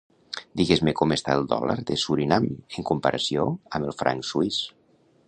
Digues-me com està el dòlar de Surinam en comparació amb el franc suís.